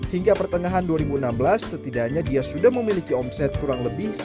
hingga pertengahan dua ribu enam belas setidaknya dia sudah memiliki omset kurang lebih